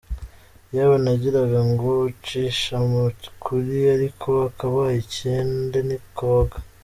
Yewe nagiraga ngo ucisha mu kuri, ariko akabaye icyende ntikoga.